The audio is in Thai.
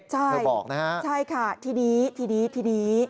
เธอบอกนะคะใช่ค่ะทีนี้